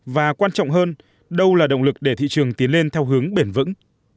và quan trọng hơn đâu là động lực để thị trường tiến lên theo hướng bền vững